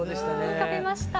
浮かびました。